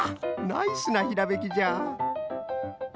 ナイスなひらめきじゃ